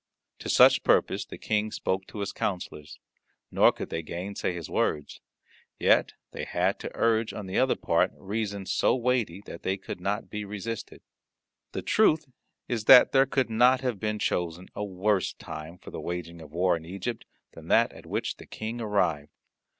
To such purpose the King spoke to his counsellors, nor could they gainsay his words. Yet they had to urge on the other part reasons so weighty that they could not be resisted. The truth is that there could not have been chosen a worse time for the waging of war in Egypt than that at which the King arrived.